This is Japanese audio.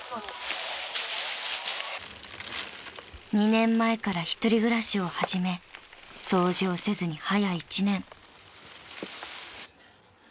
［２年前から１人暮らしを始め掃除をせずにはや１年］